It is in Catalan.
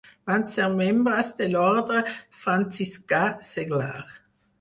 Van ser membres de l'Orde Franciscà Seglar.